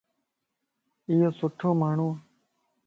ايو سٺو ماڻھو ا